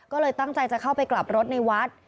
ก็เลยตั้งใจจะเข้าไปกลับรถในวัด